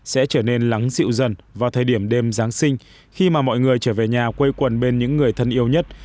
sẽ trở nên lắng dịu dần vào thời điểm đêm giáng sinh khi mà mọi người trở về nhà quây quần bên những người thân yêu nhất